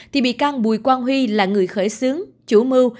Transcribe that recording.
thì bị can bùi quang huy là người khởi xướng chủ mưu